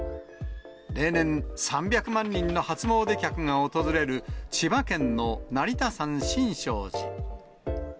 例年、３００万人の初詣客が訪れる、千葉県の成田山新勝寺。